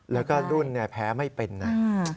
แล้วก็รุ่นแพ้ไม่เป็นนะ